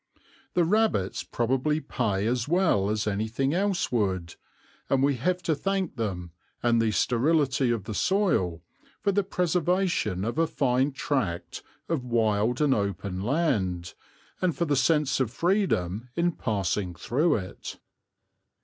The rabbits probably pay as well as anything else would, and we have to thank them, and the sterility of the soil, for the preservation of a fine tract of wild and open land, and for the sense of freedom in passing through it.